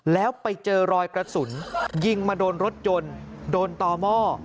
แล้วไปเจอรอยกระสุนยิงมาโดนรถยนต์โดนต่อหม้อ